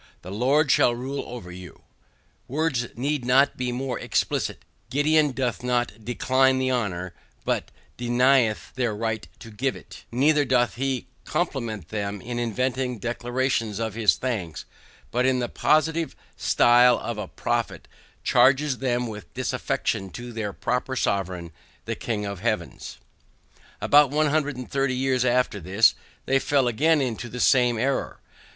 THE LORD SHALL RULE OVER YOU. Words need not be more explicit; Gideon doth not DECLINE the honor, but denieth their right to give it; neither doth he compliment them with invented declarations of his thanks, but in the positive stile of a prophet charges them with disaffection to their proper Sovereign, the King of heaven. About one hundred and thirty years after this, they fell again into the same error.